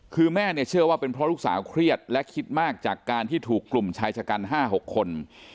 คือแม่เนี่ยเชื่อว่าเป็นเพราะลูกสาวเครียดและคิดมากจากการที่ถูกกลุ่มชายชะกัน๕๖คน